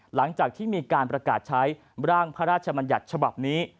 หลังจากที่มีการประกาศใช้ร่างพระราชมัญญัติฉบับนี้